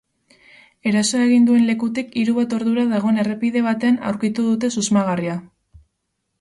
Erasoa egin duen lekutik hiru bat ordura dagoen errepide batean aurkitu dute susmagarria.